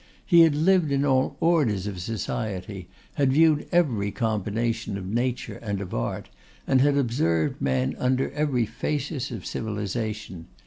He had lived in all orders of society, had viewed every combination of Nature and of Art, and had observed man under every phasis of civilisation.